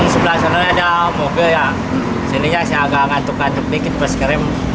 sebenarnya agak ngantuk ngantuk dikit pas krim